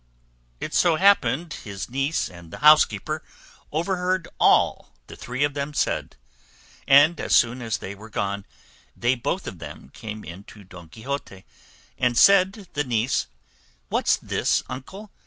It so happened his niece and the housekeeper overheard all the three of them said; and as soon as they were gone they both of them came in to Don Quixote, and said the niece, "What's this, uncle?